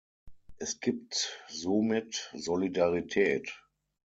Es gibt somit Solidarität.